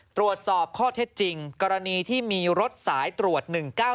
ตรวจสอบข้อเท็จจริงกรณีที่มีรถสายตรวจ๑๙๙